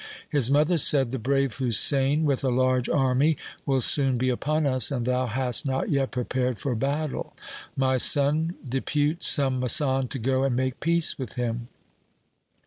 His mother said, ' The brave Husain with a large army will soon be upon us, and thou hast not yet prepared for battle. My son, depute some masand to go and make peace with him.'